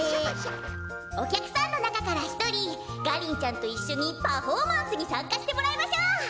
おきゃくさんのなかからひとりガリンちゃんといっしょにパフォーマンスにさんかしてもらいましょう！